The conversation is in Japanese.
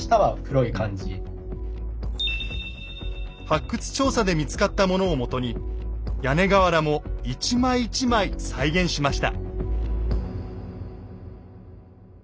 発掘調査で見つかったものをもとに屋根瓦も一枚一枚再現しました。